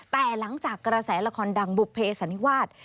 แต่หลังจากกระแสละครดังบุภเพสันนิวาส